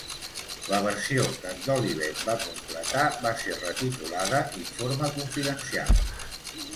La versió que Dolivet va completar va ser retitulada "Informe confidencial".